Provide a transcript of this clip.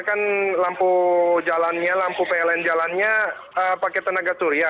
karena kan lampu pln jalannya pakai tenaga surya